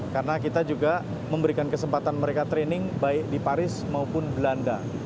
karena kita juga memberikan kesempatan mereka training baik di paris maupun belanda